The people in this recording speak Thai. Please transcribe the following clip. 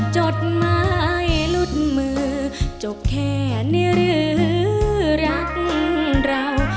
จดหมายหลุดมือจบแค่นี้หรือรักเรา